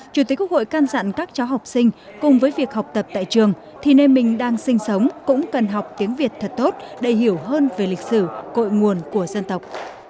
chủ tịch quốc hội can dặn các cháu học sinh cùng với việc học tập tại trường thì nên mình đang sinh sống cũng cần học tiếng việt thật tốt để hiểu hơn về lịch sử cội nguồn của dân tộc